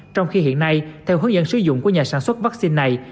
trong khi hiện nay theo hướng dẫn sử dụng của nhà sản xuất vaccine này